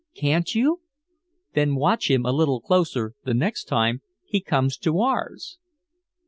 "Can't you! Then watch him a little closer the next time he comes to ours."